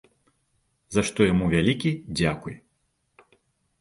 За што яму вялікі дзякуй.